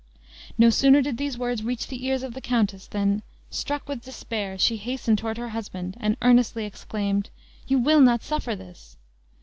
No sooner did these words reach the ears of the countess than, struck with despair, she hastened toward her husband, and earnestly exclaimed, "You will not suffer this!"